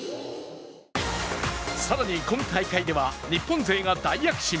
更に、今大会では日本勢が大躍進。